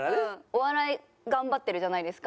お笑い頑張ってるじゃないですか。